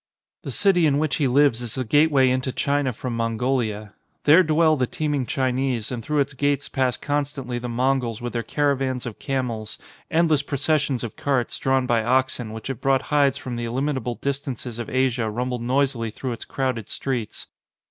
The city in which he lives is the gateway into China from Mongolia. There dwell the teeming Chinese, and through its gates pass constantly the Mon gols with their caravans of camels; endless pro cessions of carts, drawn by oxen, which have brought hides from the illimitable distances of 132 MIRAGE Asia rumble noisily through its crowded streets.